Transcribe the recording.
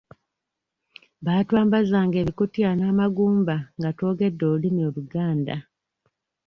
Baatwambazanga ebikutiya n'amagumba nga twogedde olulimi Oluganda.